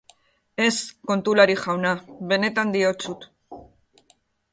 Ez, kontulari jauna, benetan diotsut.